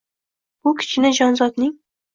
Bu kichkina jonzotning